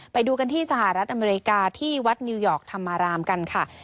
ไปดูกันที่สหรัฐอเมริกาที่วัดนิวยอร์กธรรมารามกันค่ะ